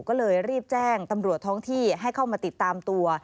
ก็เลยรีบแจ้งตำรวจท้องที่ให้เข้ามาติดตามตัว